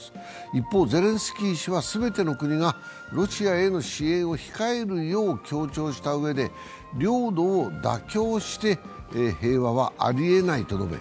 一方、ゼレンスキー氏は全ての国がロシアへの支援を控えるよう強調したうえで領土を妥協して平和はありえないと述べ